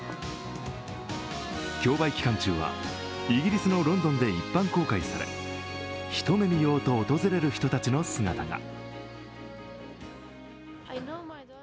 競売期間中はイギリスのロンドンで一般公開され、一目見ようと訪れる人たちの姿が。